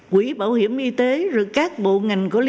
quỹ bảo hiểm y tế rồi các bộ ngành có liên quan